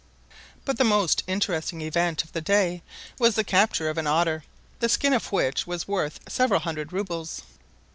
But the most interesting event of the day was the capture of an otter, the skin of which was worth several hundred roubles.